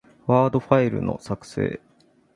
ワードファイルの、作成